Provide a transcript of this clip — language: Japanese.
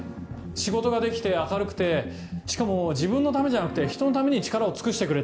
仕事ができて明るくてしかも自分のためじゃなくてひとのために力を尽くしてくれて。